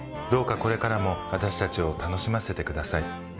どうかこれからも私たちを楽しませて下さい。